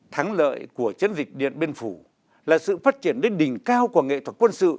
thắng lợi của chiến dịch điện biên phủ là sự phát triển đến đỉnh cao của nghệ thuật quân sự